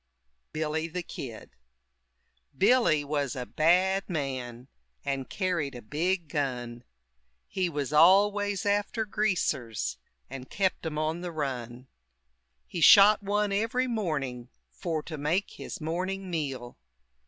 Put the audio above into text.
BILLY THE KID Billy was a bad man And carried a big gun, He was always after Greasers And kept 'em on the run. He shot one every morning, For to make his morning meal.